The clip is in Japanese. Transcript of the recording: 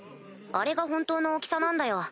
あれが本当の大きさなんだよ。